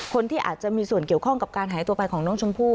คนที่อาจจะมีส่วนเกี่ยวข้องกับการหายตัวไปของน้องชมพู่